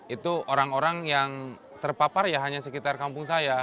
itu orang orang yang terpapar ya hanya sekitar kampung saya